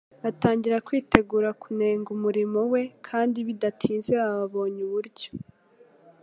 Batangira kwitegura kunenga umurimo we, kandi bidatinze baba babonye uburyo.